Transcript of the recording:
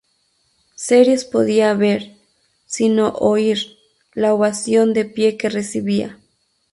Series Podía ver, si no oír, la ovación de pie que recibía.